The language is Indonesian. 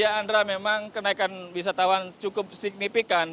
ya andra memang kenaikan wisatawan cukup signifikan